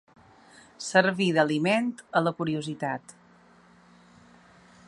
Servir d'aliment a la curiositat.